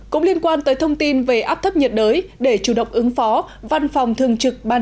cũng liên quan tới thông tin về áp thấp nhiệt đới để chủ động ứng phó văn phòng thường trực ban